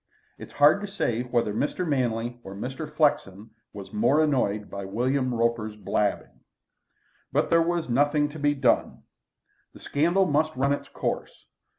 It is hard to say whether Mr. Manley or Mr. Flexen was more annoyed by William Roper's blabbing. But there was nothing to be done. The scandal must run its course.